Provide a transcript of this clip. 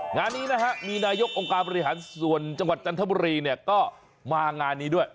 งานนี้นะฮะมีนายกองค์การบริหารส่วนจังหวัดจันทบุรีเนี่ยก็มางานนี้ด้วย